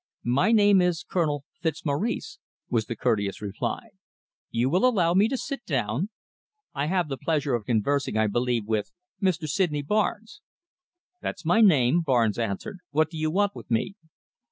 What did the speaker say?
"My name is Colonel Fitzmaurice," was the courteous reply. "You will allow me to sit down? I have the pleasure of conversing, I believe, with Mr. Sydney Barnes?" "That's my name," Barnes answered. "What do you want with me?"